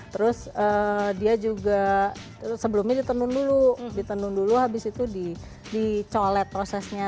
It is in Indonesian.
terus dia juga sebelumnya ditenun dulu ditenun dulu habis itu dicolet prosesnya